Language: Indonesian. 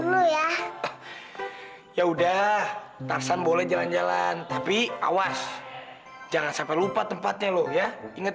dulu ya ya udah tarzan boleh jalan jalan tapi awas jangan sampai lupa tempatnya lu ya inget